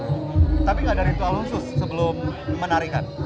tapi gak dari itu alun sus sebelum menarikan